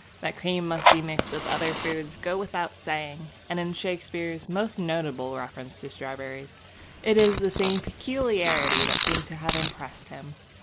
That cream must be mixed with other foods goes without saying; and in Shakespeare's most notable reference to strawberries it is the same peculiarity that seems to have impressed him.